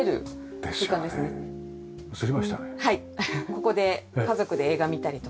ここで家族で映画見たりとか。